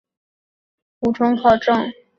三圣寺的确切创建年代无从考证。